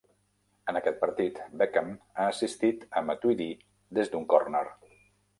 En aquest partit, Beckham ha assistit a Matuidi des d'un córner.